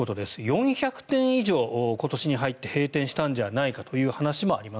４００店以上、今年に入って閉店したんじゃないかという話もあります。